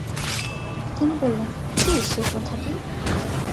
তিনি বললেনঃ কী সে প্রথাটি?